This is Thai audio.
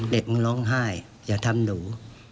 เด็กมึงร้องไห้อย่าทำหนู